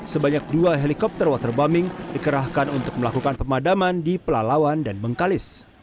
sebanyak dua helikopter waterbombing dikerahkan untuk melakukan pemadaman di pelalawan dan bengkalis